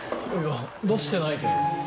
いや出してないけど。